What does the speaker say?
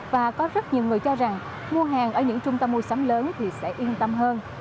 và có rất nhiều người cho rằng mua hàng ở những trung tâm mua sắm lớn thì sẽ yên tâm hơn